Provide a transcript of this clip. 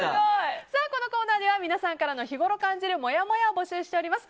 このコーナーでは皆さんが日ごろ感じるもやもやを募集しております。